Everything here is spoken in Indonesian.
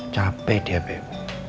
capek dia beb